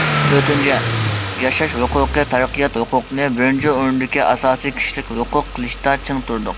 تۆتىنچى، ياشاش ھوقۇقى، تەرەققىيات ھوقۇقىنى بىرىنچى ئورۇندىكى ئاساسىي كىشىلىك ھوقۇق قىلىشتا چىڭ تۇردۇق.